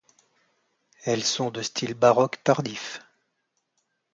Elles sont de style baroque tardif.